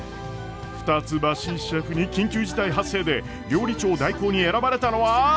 二ツ橋シェフに緊急事態発生で料理長代行に選ばれたのは！？